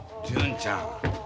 純ちゃん